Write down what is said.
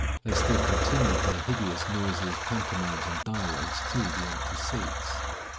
They still continued their hideous noises, pantomimes, and dialogues to the empty seats.